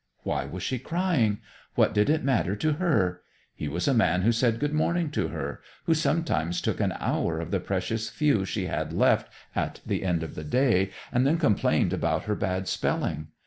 Why was she crying? What did it matter to her? He was a man who said good morning to her, who sometimes took an hour of the precious few she had left at the end of the day and then complained about her bad spelling.